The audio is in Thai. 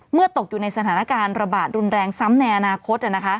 ตกอยู่ในสถานการณ์ระบาดรุนแรงซ้ำในอนาคต